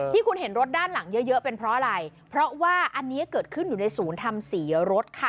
ที่คุณเห็นรถด้านหลังเยอะเยอะเป็นเพราะอะไรเพราะว่าอันนี้เกิดขึ้นอยู่ในศูนย์ทำสีรถค่ะ